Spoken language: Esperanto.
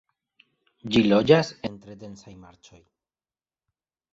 Ĝi loĝas en tre densaj marĉoj.